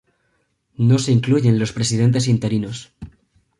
No se incluyen los presidentes interinos.